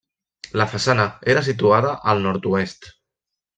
La façana era situada al nord-oest.